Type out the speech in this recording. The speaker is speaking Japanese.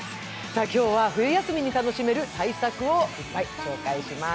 今日は冬休みに楽しめる大作をいっぱい紹介します。